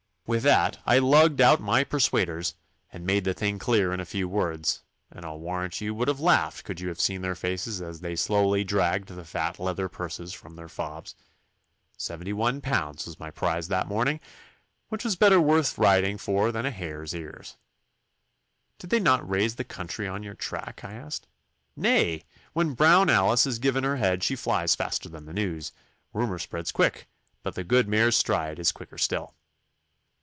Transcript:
With that I lugged out my persuaders, and made the thing clear in a few words, and I'll warrant you would have laughed could you have seen their faces as they slowly dragged the fat leather purses from their fobs. Seventy one pounds was my prize that morning, which was better worth riding for than a hare's ears.' 'Did they not raise the country on your track?' I asked. 'Nay! When Brown Alice is given her head she flies faster than the news. Rumour spreads quick, but the good mare's stride is quicker still.